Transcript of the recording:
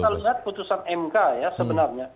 kalau kita lihat keputusan mk ya sebenarnya